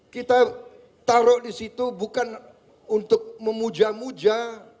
kita taruh di situ bukan untuk memuja muja